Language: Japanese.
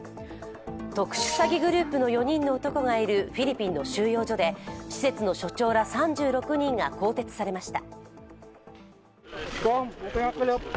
特殊詐欺グループの４人の男がいるフィリピンの収容所で施設の所長ら３６人が更迭されました。